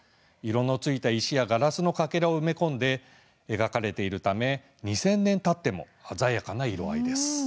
色のついた石やガラスのかけらを埋め込んで描かれているため２０００年たっても鮮やかな色合いです。